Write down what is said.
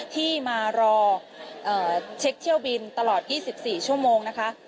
ที่มารอเช็คเที่ยวบินตลอด๒๔ชั่วโมงนะคะ